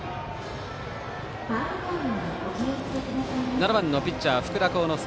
７番のピッチャー、福田幸之介。